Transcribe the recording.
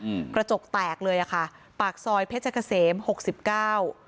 อืมกระจกแตกเลยอ่ะค่ะปากซอยเพชรเกษมหกสิบเก้า